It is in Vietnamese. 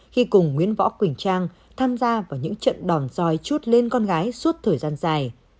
khi cùng nguyễn võ quỳnh trang tham gia vào những trận đòn roi chút lên con gái suốt thời gian dài